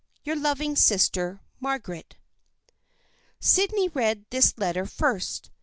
" Your loving sister, " Margaret." Sydney read this letter first.